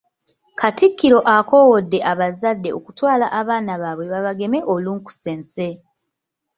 Katikkiro akoowodde abazadde okutwala abaana baabwe babageme olukusense.